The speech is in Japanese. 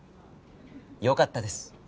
よかったです。